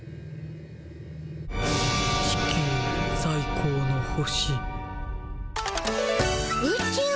地球さい高の星。